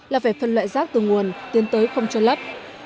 là phải phân loại rác từ nguồn tiến tới không trôn lấp